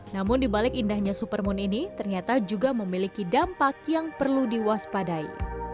namun dibalik indahnya supermoon ini ternyata juga memiliki dampak yang perlu diwaspadai